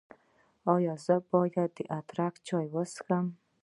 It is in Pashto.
ایا زه باید د ادرک چای وڅښم؟